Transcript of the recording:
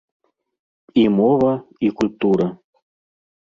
І мова, і культура.